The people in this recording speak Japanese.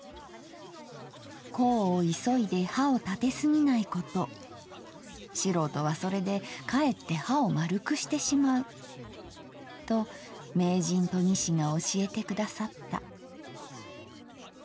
「功をいそいで刃をたてすぎないこと素人はそれで却って刃を丸くしてしまう・・・・・・と名人研ぎ師が教えて下さった」。